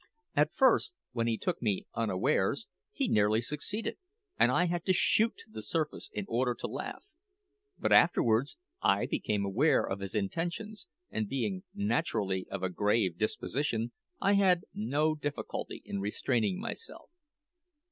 At first, when he took me unawares, he nearly succeeded, and I had to shoot to the surface in order to laugh; but afterwards I became aware of his intentions, and being naturally of a grave disposition, I had no difficulty in restraining myself.